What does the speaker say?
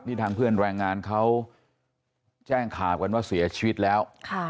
นี่ทางเพื่อนแรงงานเขาแจ้งข่าวกันว่าเสียชีวิตแล้ว